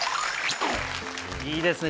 いいですね